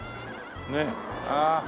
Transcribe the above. ねえああ。